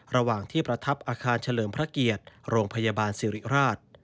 ระหว่างที่ประทับอาคารเฉลิมพระเกียรติโรงพยาบาลสิริราช